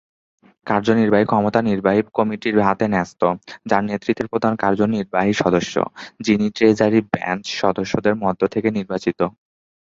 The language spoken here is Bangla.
কার্যনির্বাহী ক্ষমতা নির্বাহী কমিটির হাতে ন্যস্ত, যার নেতৃত্বে প্রধান কার্যনির্বাহী সদস্য, যিনি ট্রেজারি বেঞ্চ সদস্যদের মধ্য থেকে নির্বাচিত হন।